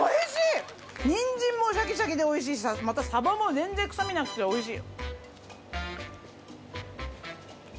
ニンジンもシャキシャキでおいしいしさまた鯖も全然臭みなくておいしい。